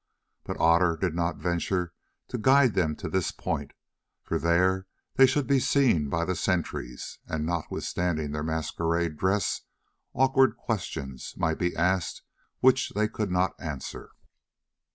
But Otter did not venture to guide them to this point, for there they should be seen by the sentries, and, notwithstanding their masquerade dress, awkward questions might be asked which they could not answer.